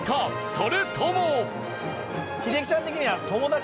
それとも。